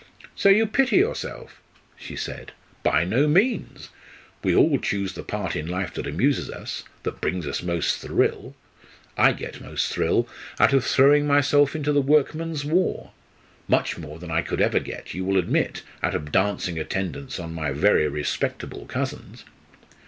"So you pity yourself?" she said. "By no means! We all choose the part in life that amuses us that brings us most thrill. I get most thrill out of throwing myself into the workmen's war much more than I could ever get, you will admit, out of dancing attendance on my very respectable cousins.